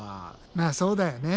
まあそうだよね。